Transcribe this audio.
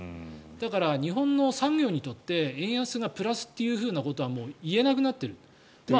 だから日本の産業にとって円安がプラスだということは言えなくなっている。